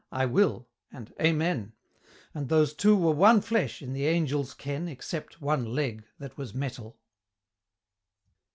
"I will," and "Amen" And those Two were one Flesh, in the Angels' ken, Except one Leg that was metal.